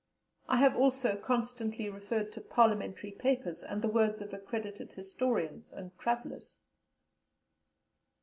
I have also constantly referred to Parliamentary papers, and the words of accredited historians and travellers.